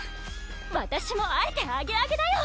わたしも会えてアゲアゲだよ